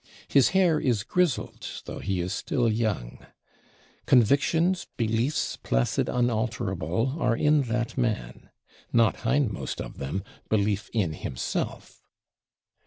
His hair is grizzled, though he is still young; convictions, beliefs placid unalterable, are in that man; not hindmost of them, belief in himself.